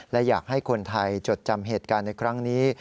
และอยากให้คนไทยจดจำเหตุการณ์ในครั้งนี้